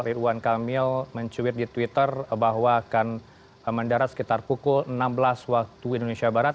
ridwan kamil mencuit di twitter bahwa akan mendarat sekitar pukul enam belas waktu indonesia barat